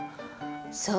そう。